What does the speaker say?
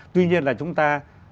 tuy nhiên là chúng ta